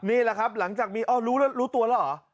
นี่แหละครับหลังจากรู้ตัวละหรอ